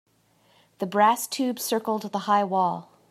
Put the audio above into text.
The brass tube circled the high wall.